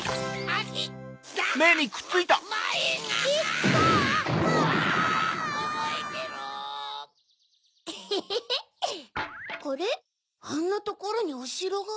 あんなところにおしろが。